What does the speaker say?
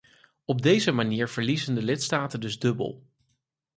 Op deze manier verliezen de lidstaten dus dubbel.